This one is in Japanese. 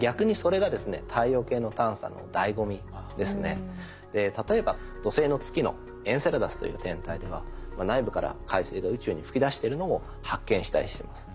逆に例えば土星の月のエンセラダスという天体では内部から海水が宇宙に噴き出してるのも発見したりしてます。